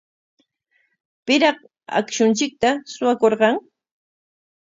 ¿Piraq akshunchikta suwakurqan?